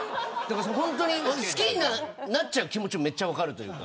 好きになっちゃう気持ちもめっちゃ分かるというか。